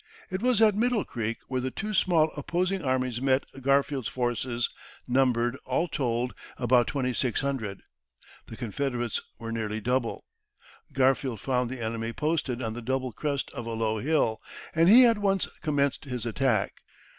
It was at Middle Creek where the two small opposing armies met Garfield's forces numbered, all told, about 2600; the Confederates were nearly double. Garfield found the enemy posted on the double crest of a low hill, and he at once commenced his attack.